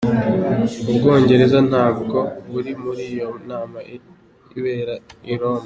Ubwongereza ntabwo buri muri iyo nama ibera i Roma.